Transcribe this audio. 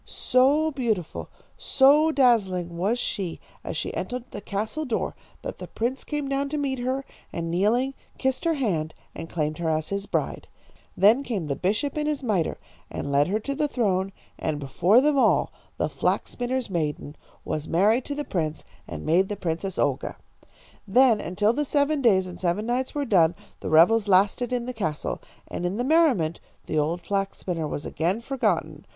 "So beautiful, so dazzling was she as she entered the castle door, that the prince came down to meet her, and kneeling, kissed her hand, and claimed her as his bride. Then came the bishop in his mitre, and led her to the throne, and before them all the flax spinner's maiden was married to the prince, and made the Princess Olga. "Then, until the seven days and seven nights were done, the revels lasted in the castle. And in the merriment the old flax spinner was again forgotten.